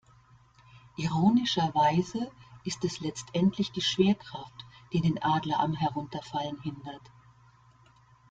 Ironischerweise ist es letztendlich die Schwerkraft, die den Adler am Herunterfallen hindert.